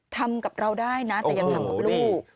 ทำกับเราได้นะแต่อย่างน้ำกับลูกโอ้โฮดี